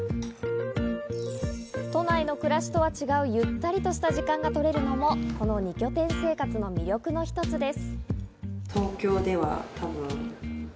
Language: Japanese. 都内の暮らしとは違う、ゆったりとした時間が取れるのもこの二拠点生活の魅力の一つです。